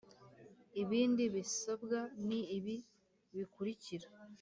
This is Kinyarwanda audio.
Ibindi bisbwa ni ibi bikurikira